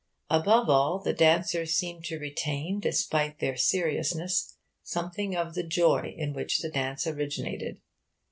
Above all, the dancers seemed to retain, despite their seriousness, something of the joy in which the dance originated.